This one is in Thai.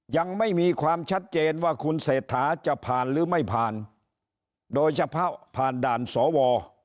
ยังไม่มีความชัดเจนว่าคุณเศรษฐาจะผ่านหรือไม่ผ่านโดยเฉพาะผ่านด่านสว